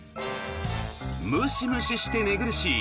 ムシムシして寝苦しい